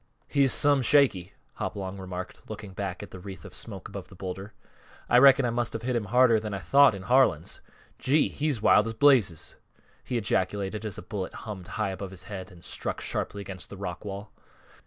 "He's some shaky," Hopalong remarked, looking back at the wreath of smoke above the bowlder. "I reckon I must have hit him harder than I thought in Harlan's. Gee! he's wild as blazes!" he ejaculated as a bullet hummed high above his head and struck sharply against the rock wall.